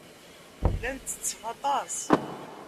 Llan ttetten aṭas.